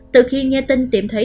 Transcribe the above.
từ khi nghe tin tiệm thấy